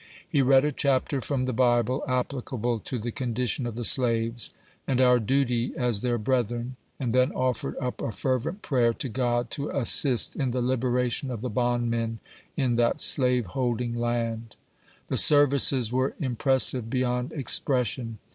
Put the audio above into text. He read a chapter from the Bible, applicable to the condition of the slaves, and our duty as their brethren, and then offered . up a fervent prayer to God to assist in the liberation of the bondmen in that slaveholding land. The services were im pressive beyond expression.